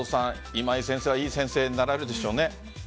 今井先生はいい先生になられるでしょうね。